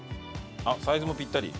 サイズもぴったり。